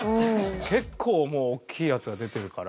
結構もう大きいやつが出てるから。